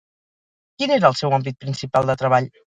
Quin era el seu àmbit principal de treball?